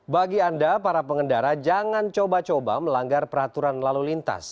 bagi anda para pengendara jangan coba coba melanggar peraturan lalu lintas